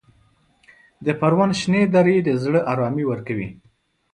د پروان شنې درې د زړه ارامي ورکوي.